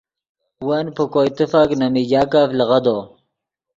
ون پے کوئے تیفک نے میگاکف لیغدو